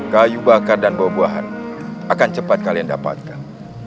kayu bakar dan buah buahan akan cepat kalian dapatkan